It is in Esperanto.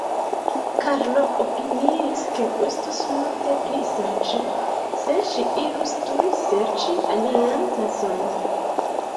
Karlo opiniis, ke estus multe pli saĝe, se ŝi irus tuj serĉi alian tason.